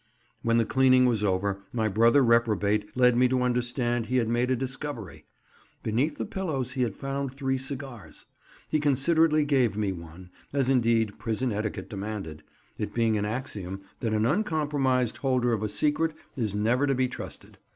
When the cleaning was over my brother reprobate led me to understand he had made a discovery. Beneath the pillows he had found three cigars; he considerately gave me one, as indeed prison etiquette demanded, it being an axiom that an uncompromised holder of a secret is never to be trusted.